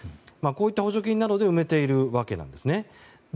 こういった補助金などで埋めているわけなんですね。